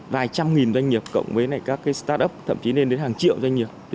vài trăm nghìn doanh nghiệp cộng với các start up thậm chí lên đến hàng triệu doanh nghiệp